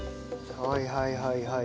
はいはいはいはい。